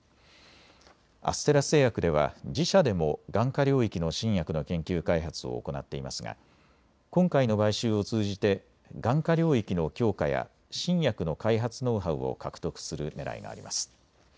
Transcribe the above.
アステラス製薬では自社でも眼科領域の新薬の研究開発を行っていますが今回の買収を通じて眼科領域の強化や新薬の開発ノウハウを獲得するねらいがあります。